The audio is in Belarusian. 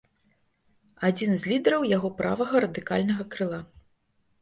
Адзін з лідараў яго правага радыкальнага крыла.